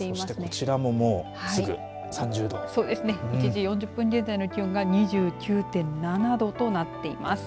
１時４０分現在の気温が２９．９度となっています。